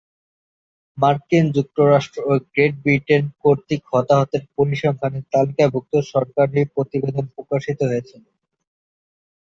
মার্কিন যুক্তরাষ্ট্র ও গ্রেট ব্রিটেন কর্তৃক হতাহতের পরিসংখ্যানের তালিকাভুক্ত সরকারী সরকারী প্রতিবেদন প্রকাশিত হয়েছিল।